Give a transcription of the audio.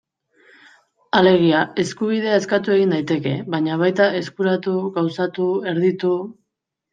Alegia, eskubidea eskatu egin daiteke, baina baita eskuratu, gauzatu, erditu...